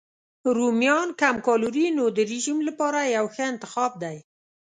رومیان کم کالوري نو د رژیم لپاره یو ښه انتخاب دی.